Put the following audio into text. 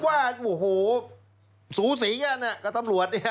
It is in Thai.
ผมว่าสูสีกันน่ะก็ตำรวจ